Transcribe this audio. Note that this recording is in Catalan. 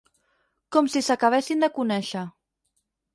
Com si s'acabessin de conèixer.